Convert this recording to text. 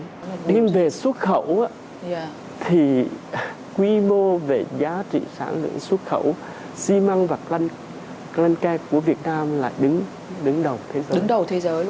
nhưng về xuất khẩu thì quy mô về giá trị sản lượng xuất khẩu xi măng và lăn ke của việt nam lại đứng đầu thế giới